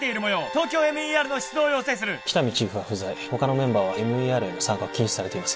ＴＯＫＹＯＭＥＲの出動を要請する喜多見チーフは不在他のメンバーはＭＥＲへの参加を禁止されています